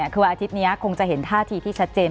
คือวันอาทิตย์นี้คงจะเห็นท่าทีที่ชัดเจน